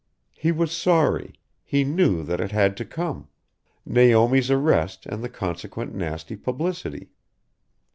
He was sorry he knew that it had to come: Naomi's arrest and the consequent nasty publicity.